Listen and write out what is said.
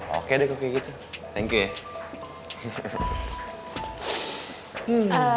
oke deh kok kayak gitu thank you ya